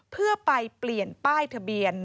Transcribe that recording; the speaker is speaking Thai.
เพื่อไปเปลี่ยนป้ายทะเบียน